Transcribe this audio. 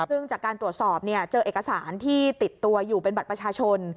ซึ่งจากการตรวจสอบเจอเอกสารที่ติดตัวอยู่เป็นบัตรประชาชน